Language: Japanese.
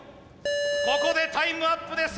ここでタイムアップです。